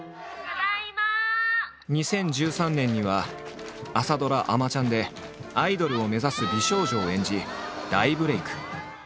２０１３年には朝ドラ「あまちゃん」でアイドルを目指す美少女を演じ大ブレーク。